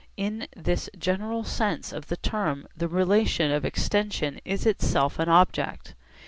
In this general sense of the term the relation of extension is itself an object.